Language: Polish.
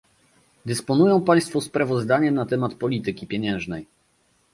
Dysponują Państwo sprawozdaniem na temat polityki pieniężnej